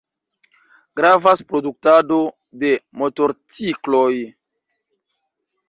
Gravas produktado de motorcikloj.